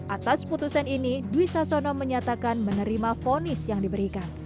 atas putusan ini dwi sasono menyatakan menerima fonis yang diberikan